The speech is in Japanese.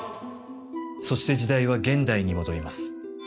そして時代は現代に戻ります。